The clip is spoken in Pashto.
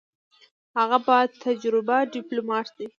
هغه با تجربه ډیپلوماټ دی.